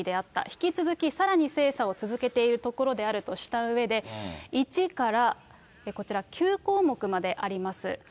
引き続きさらに精査を続けているところであるとしたうえで、１から、こちら９項目まであります。